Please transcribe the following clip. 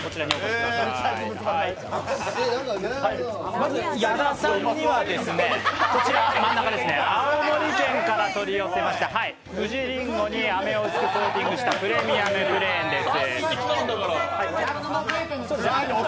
まず矢田さんには、真ん中の青森県から取り寄せましたふじりんごに飴をとーぴんぐしたプレミアムプレーンです。